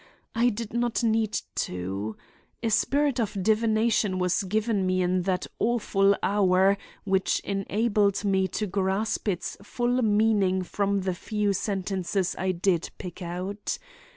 I did not need to. A spirit of divination was given me in that awful hour which enabled me to grasp its full meaning from the few sentences I did pick out.